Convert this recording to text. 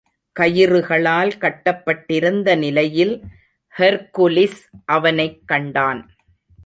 கயிறுகளால் கட்டப்பட்டிருந்த நிலையில் ஹெர்க்குலிஸ் அவனைக் கண்டான்.